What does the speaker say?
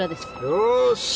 よし！